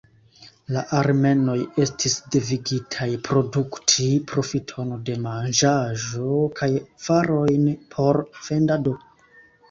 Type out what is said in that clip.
La armenoj estis devigitaj produkti profiton de manĝaĵo kaj varojn por vendado.